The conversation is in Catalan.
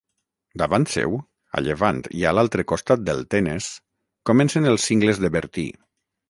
Davant seu, a llevant i a l'altre costat del Tenes, comencen els Cingles de Bertí.